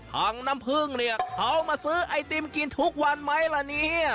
พังน้ำผึ้งเขามาซื้อไอติมกินทุกวันไหมล่ะเนี่ย